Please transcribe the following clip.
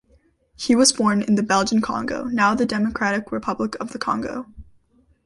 He was born in the Belgian Congo, now the Democratic Republic of the Congo.